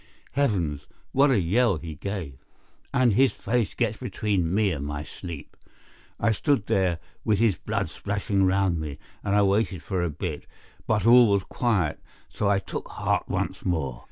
Heavens! what a yell he gave! and his face gets between me and my sleep. I stood there, with his blood splashing round me, and I waited for a bit, but all was quiet, so I took heart once more.